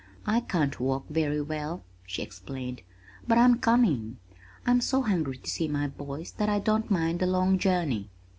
"I can't walk very well," she explained, "but I'm coming. I am so hungry to see my boys that I don't mind the long journey."